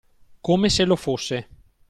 Come se lo fosse.